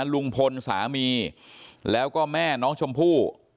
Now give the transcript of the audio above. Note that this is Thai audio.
ลุงพลสามีแล้วก็แม่น้องชมพู่